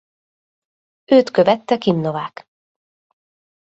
Őt követte Kim Novak.